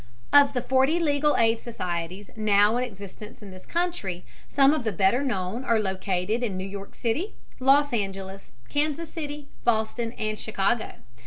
Of the forty legal aid societies now in existence in this country, some of the better known are located in New York City, Los Angeles, Kansas City, Boston, and Chicago.